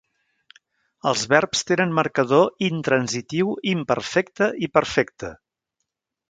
Els verbs tenen marcador intransitiu, imperfecte i perfecte.